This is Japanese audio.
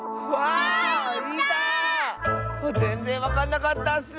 あっぜんぜんわかんなかったッス。